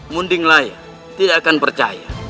munding laya tidak akan percaya